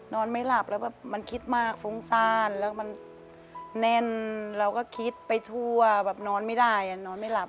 นอนไม่หลับแล้วแบบมันคิดมากฟุ้งซ่านแล้วมันแน่นเราก็คิดไปทั่วแบบนอนไม่ได้นอนไม่หลับ